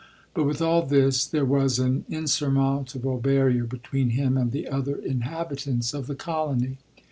But with all this, there was an insurmountable barrier be tween him and the other inhabitants of the LODORK. 15 colony.